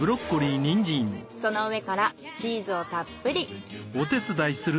その上からチーズをたっぷり。